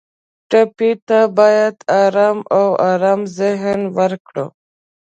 ټپي ته باید آرام او ارام ذهن ورکړو.